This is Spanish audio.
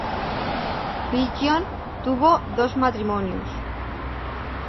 Pidgeon tuvo dos matrimonios.